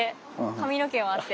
髪の毛もあって。